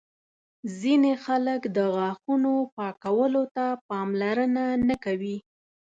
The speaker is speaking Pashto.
ځینې خلک د غاښونو پاکولو ته پاملرنه نه کوي.